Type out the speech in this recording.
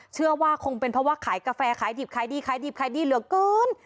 เชื่อว่าคงเป็นเพราะว่าขายกาแฟขายดิบขายดีขายดิบขายดีเหลือเกิน